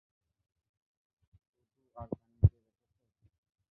শুটু আর তানিকে দেখেছ?